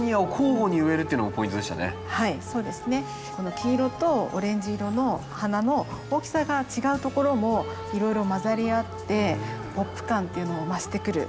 黄色とオレンジ色の花の大きさが違うところもいろいろ混ざり合ってポップ感っていうのも増してくると思いませんか？